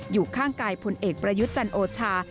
อยู่ข้างกายพลเอกประยุทธ์จันโอชา